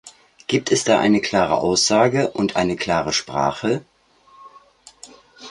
Gibt es da eine klare Aussage und eine klare Sprache?